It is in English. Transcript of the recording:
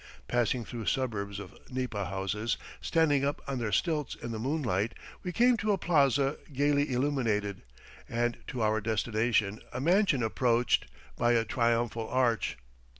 Passing through suburbs of nipa houses standing up on their stilts in the moonlight, we came to a plaza gaily illuminated, and to our destination, a mansion approached by a triumphal arch.